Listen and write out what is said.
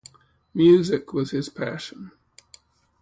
Music was his passion.